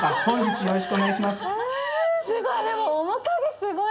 すごい！